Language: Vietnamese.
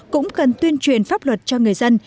cũng cần tuyên truyền pháp luật cho người dân